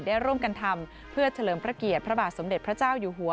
ได้ร่วมกันทำเพื่อเฉลิมพระเกียรติพระบาทสมเด็จพระเจ้าอยู่หัว